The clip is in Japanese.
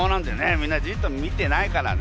みんなじっと見てないからね。